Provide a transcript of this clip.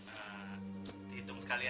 eee dihitung sekalian ya